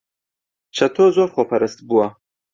چەتۆ زۆر خۆپەرست بووە.